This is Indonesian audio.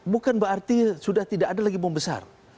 bukan berarti sudah tidak ada lagi bom besar